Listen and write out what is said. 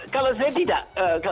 kalau saya tidak